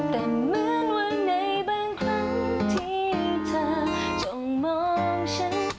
แต่เหมือนวันไหนบางครั้งที่เธอจงมองฉัน